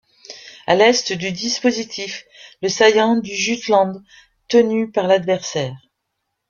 À l'est du dispositif: le saillant du Jutland, tenu par l'adversaire.